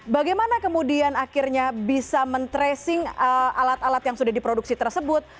bagaimana kemudian akhirnya bisa men tracing alat alat yang sudah diproduksi tersebut